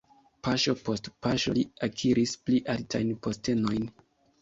Paŝo post paŝo li akiris pli altajn postenojn.